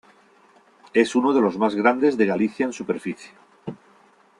Es uno de los más grandes de Galicia en superficie.